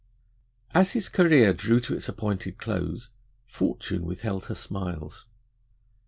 As his career drew to its appointed close, Fortune withheld her smiles.